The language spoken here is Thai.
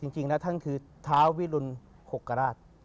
จริงแล้วท่านคือท้าวิรุณ๖กราช